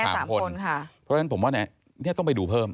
เพราะฉะนั้นผมว่าต้องไปดูเพิ่ม